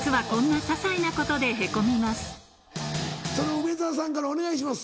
梅沢さんからお願いします。